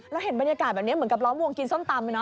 เห็นบรรยากาศแบบนี้เหมือนกับล้อมวงกินส้มตำ